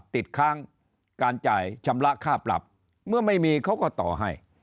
ติดค้างการจ่ายชำระค่าปรับเมื่อไม่มีเขาก็ต่อให้